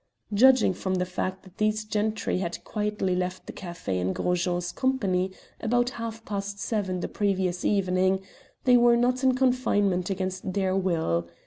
Judging from the fact that these gentry had quietly left the café in Gros Jean's company about half past seven the previous evening, they were not in confinement against their will.